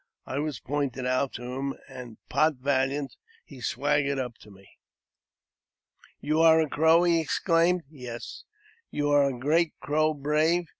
I was pointed out to him, and, pot valiant, he swaggered up to me. " You are a Crow? " he exclaimed. "Yes." *' You are a great Crow brave